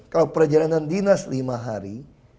kalau perjalanan dinas lima hari